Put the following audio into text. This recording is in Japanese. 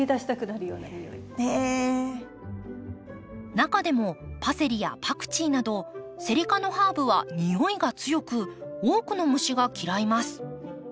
中でもパセリやパクチーなどセリ科のハーブは匂いが強く多くの虫が嫌います。